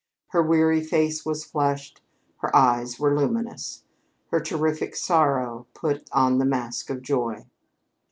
Her weary face was flushed; her eyes were luminous. Her terrific sorrow put on the mask of joy.